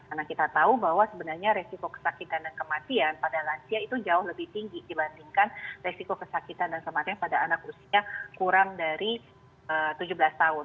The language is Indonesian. karena kita tahu bahwa sebenarnya resiko kesakitan dan kematian pada lansia itu jauh lebih tinggi dibandingkan resiko kesakitan dan kematian pada anak usia kurang dari tujuh belas tahun